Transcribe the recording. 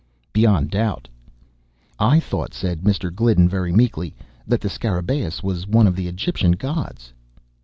"Beyond doubt." "I thought," said Mr. Gliddon, very meekly, "that the Scarabaeus was one of the Egyptian gods."